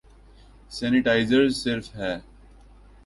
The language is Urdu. سینیٹائزر صرف ہا